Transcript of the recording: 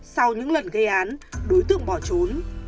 sau những lần gây án đối tượng bỏ trốn